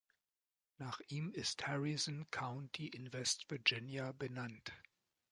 Nach ihm ist Harrison County in West Virginia benannt.